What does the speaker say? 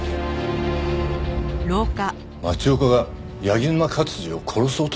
町岡が柳沼勝治を殺そうとしてた！？